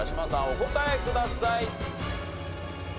お答えください。